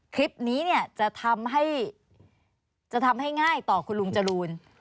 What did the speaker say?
คลิปนี้เนี่ยจะทำให้จะทำให้ง่ายต่อคุณลุงจรูน